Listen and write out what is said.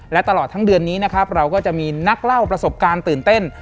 และตลอดทั้งเดือนนี้นะครับเราก็จะมีนักเล่าประสบการณ์ตื่นเต้น